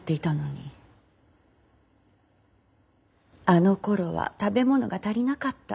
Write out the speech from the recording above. あのころは食べ物が足りなかった。